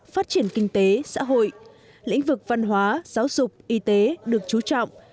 phát triển kinh tế xã hội lĩnh vực văn hóa giáo dục y tế được chú trọng